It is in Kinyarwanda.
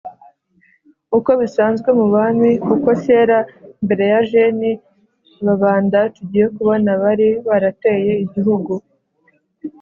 uko bisanzwe mu bami; kuko cyera mbere ya jeni, ababanda tugiye kubona bari barateye igihugu